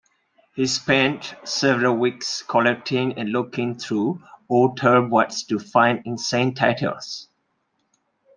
He spent several weeks collecting and looking through old tabloids to find inane titles.